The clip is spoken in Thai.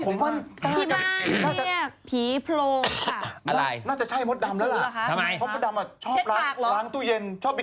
กินคนละแบบนะ